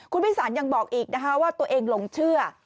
คุณวิสานยังบอกอีกนะคะว่าตัวเองหลงเชื่อ